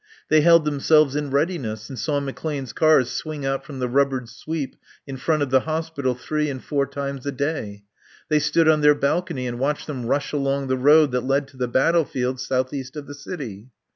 They held themselves in readiness and saw McClane's cars swing out from the rubbered sweep in front of the Hospital three and four times a day. They stood on their balcony and watched them rush along the road that led to the battlefields southeast of the city.